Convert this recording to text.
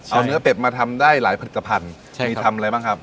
เอาเนื้อเป็ดมาทำได้หลายผลิตภัณฑ์ใช่มีทำอะไรบ้างครับ